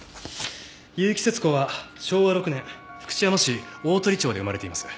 結城節子は昭和６年福知山市大鳥町で生まれています。